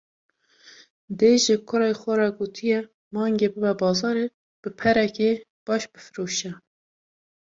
Dê ji kurê xwe re gotiye: Mangê bibe bazarê, bi perekî baş bifroşe.